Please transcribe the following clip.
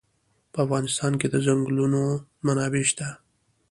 په افغانستان کې د ځنګلونه منابع شته.